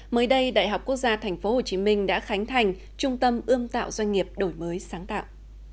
mới đây đại học quốc gia tp hcm đã khánh thành trung tâm ươm tạo doanh nghiệp đổi mới sáng tạo